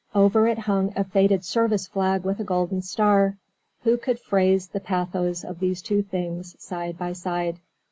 Over it hung a faded service flag with a golden star. Who could phrase the pathos of these two things, side by side?